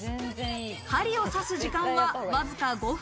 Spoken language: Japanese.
針を刺す時間はわずか５分。